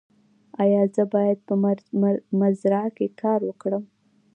ایا زه باید په مزرعه کې کار وکړم؟